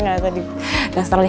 gak usah dikhawatirin